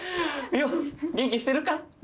よっ元気してるか？